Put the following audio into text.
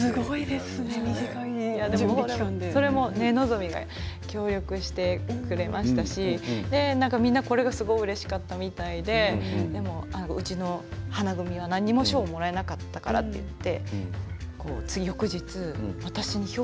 それを望海が協力してやってくれましたしみんなとてもうれしかったみたいで花組は何も賞をもらえなかったからと言って